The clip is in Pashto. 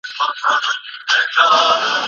هره اقتصادي وده حتما د اقتصادي پرمختيا محتوا نه لري.